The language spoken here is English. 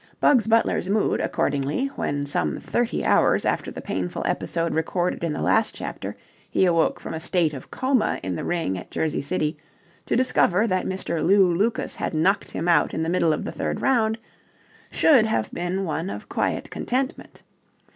Bugs Butler's mood, accordingly, when some thirty hours after the painful episode recorded in the last chapter he awoke from a state of coma in the ring at Jersey City to discover that Mr. Lew Lucas had knocked him out in the middle of the third round, should have been one of quiet contentment.